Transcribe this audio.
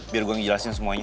biar gue ngejelasin semuanya